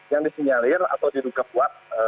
yang disinyalir atau dirugakan